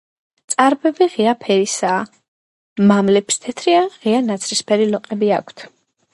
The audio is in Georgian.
წარბები ღია ფერისაა, მამლებს თეთრი ან ღია ნაცრისფერი ლოყები აქვთ.